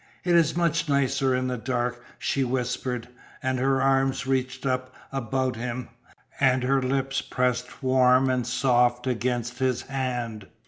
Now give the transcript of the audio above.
"It is much nicer in the dark," she whispered, and her arms reached up about him, and her lips pressed warm and soft against his hand.